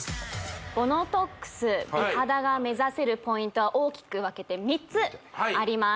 ＢＯＮＯＴＯＸ美肌が目指せるポイントは大きく分けて３つあります